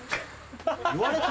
言われた？